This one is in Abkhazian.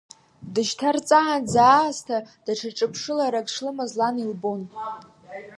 Дышьҭарҵаанӡа аасҭа, даҽа ҿыԥшыларак шлымаз лан илбон.